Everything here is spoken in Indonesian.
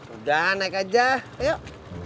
udah naik aja yuk